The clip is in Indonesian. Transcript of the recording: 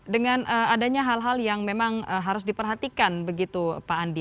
dengan adanya hal hal yang memang harus diperhatikan begitu pak andi